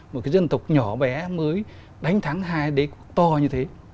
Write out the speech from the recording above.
một cái dân tộc nhỏ bé mới đánh thắng hai đế cục to như thế